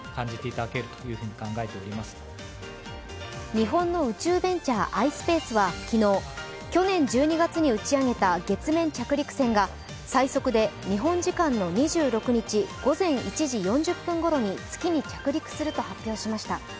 日本の宇宙ベンチャー、ｉｓｐａｃｅは昨日、去年１２月に打ち上げた月面着陸船が最速で日本時間の２６日午前１時４０分ごろに月に着陸すると発表しました。